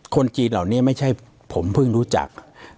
คนจีนเหล่านี้ไม่ใช่ผมเพิ่งรู้จัก